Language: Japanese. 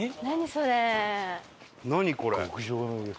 それ。